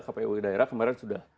kpu daerah kemarin sudah